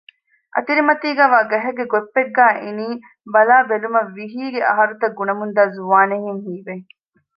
އަތިރިމަތީގައިވާ ގަހެއްގެ ގޮތްޕެއްގައި އިނީ ބަލާބެލުމަށް ވިހީގެ އަހަރުތައް ގުނަމުންދާ ޒުވާނެއްހެން ހީވެ